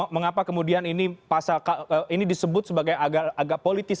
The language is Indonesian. mengapa kemudian ini disebut sebagai agak politis